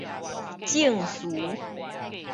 證詞